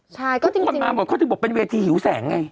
ใช่ก็จริงคนมาหมดเขาถึงบอกเป็นเวทีหิวแสงไง